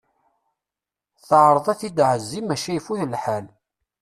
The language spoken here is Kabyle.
Teɛreḍ ad t-id-tɛezzi maca ifut lḥal.